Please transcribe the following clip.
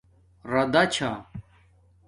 راداچھا